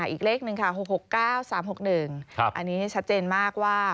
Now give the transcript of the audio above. อีกเลขหนึ่งค่ะ๖๖๙๓๖๑อันนี้ชัดเจนมากว่า